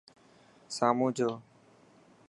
سامون جو